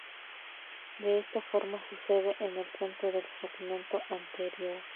De esta forma sucede en el cuento del fragmento anterior.